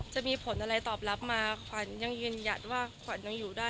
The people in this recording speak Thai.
จะมีผลอะไรตอบรับมาขวัญยังยืนหยัดว่าขวัญยังอยู่ได้